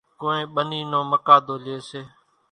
ڪونئين ٻنِي نو مقاۮو ليئيَ سي۔